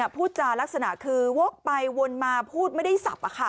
พูดจารักษณะคือวกไปวนมาพูดไม่ได้สับ